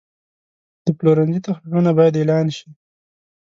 د پلورنځي تخفیفونه باید اعلان شي.